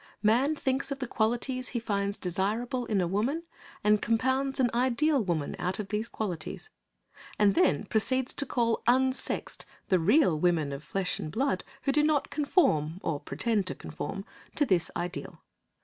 Man thinks of the qualities he finds desirable in a woman and compounds an ideal woman out of these qualities, and then proceeds to call "unsexed" the real women of flesh and blood who do not conform or pretend to conform to this ideal.